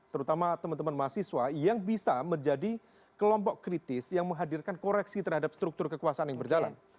terutama teman teman mahasiswa yang bisa menjadi kelompok kritis yang menghadirkan koreksi terhadap struktur kekuasaan yang berjalan